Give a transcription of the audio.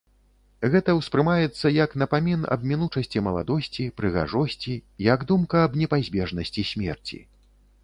Гэта ўспрымаецца як напамін аб мінучасці маладосці, прыгажосці, як думка аб непазбежнасці смерці.